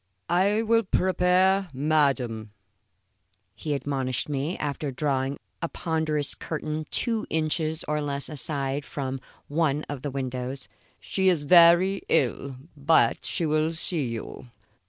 "I will prepare madam," he admonished me, after drawing a ponderous curtain two inches or less aside from one of the windows. "She is very ill, but she will see you."